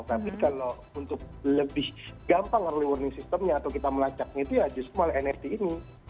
tapi kalau untuk lebih gampang early warning systemnya atau kita melacaknya itu ya just mall nft ini